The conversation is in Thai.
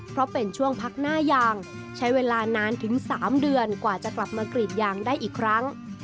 เพราะเป็นช่วงพักหน้ายางใช้เวลานานถึง๓เดือนกว่าจะกลับมากรีดยางได้อีกครั้ง